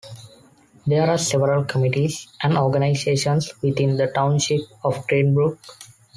There are several committees and organizations within the township of Green Brook.